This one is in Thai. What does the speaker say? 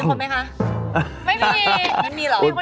เออนี่อ่ะเออ